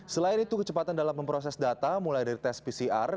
selain itu kecepatan dalam memproses data mulai dari tes pcr